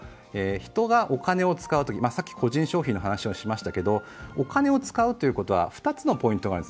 人がお金を使うとき、さっき個人消費の話をしましたけれどお金を使うということは２つのポイントがある。